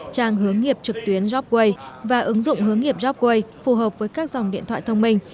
trang hướng nghiệp trực tuyến jobway và ứng dụng hướng nghiệp jobway phù hợp với các dòng điện thoại thông minh